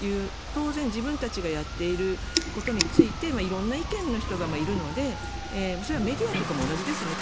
当然、自分たちがやっていることについて色んな意見の人がいるのでそれはメディアとかも同じですよね。